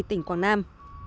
tỉnh quảng nam